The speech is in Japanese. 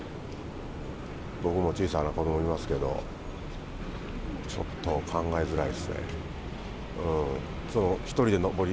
僕も小さな子どもいますけど、ちょっと考えづらいですね。